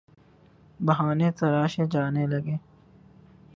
بہانے تراشے جانے لگے۔